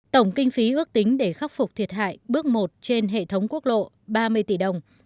tổng kinh phí ước tính để khắc phục thiệt hại bước một trên hệ thống quốc lộ ba mươi tỷ đồng